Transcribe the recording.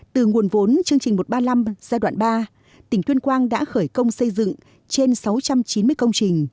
từ nguồn vốn chương trình một trăm ba mươi năm giai đoạn ba tỉnh tuyên quang đã khởi công xây dựng trên sáu trăm chín mươi công trình